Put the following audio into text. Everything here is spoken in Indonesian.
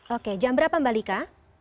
oke jam berapa mbak lika